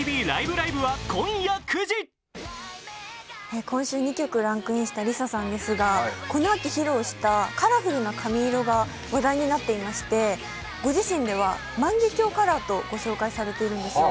ライブ！」は今夜９時今週２曲ランクインしたＬｉＳＡさんですがこの秋披露したカラフルな髪色が話題になっていまして、ご自身では万華鏡カラーとご紹介されているんですよ。